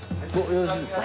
よろしいですか？